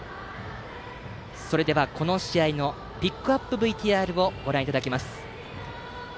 それではこの試合のピックアップＶＴＲご覧いただきます。